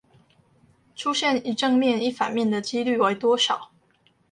出現一正面一反面的機率為多少？